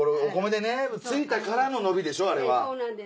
お米でねついたからの伸びでしょあれは。